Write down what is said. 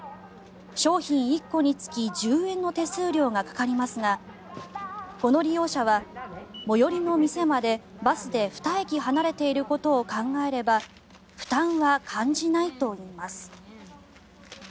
商品１個につき１０円の手数料がかかりますがこの利用者は最寄りの店までバスで２駅離れていることを考えれば負担は感じないといいます。